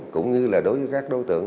cũng như là đối với các đối tượng